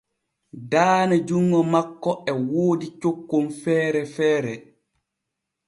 Daane junŋo makko e woodi cokkon feere feere.